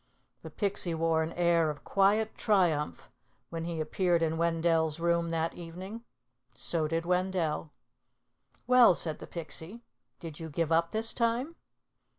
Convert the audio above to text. The Pixie wore an air of quiet triumph when he appeared in Wendell's room that evening. So did Wendell. "Well," said the Pixie. "Do you give up this time?"